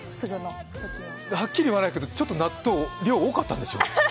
はっきり言わないけどちょっと納豆、量多かったんでしょ。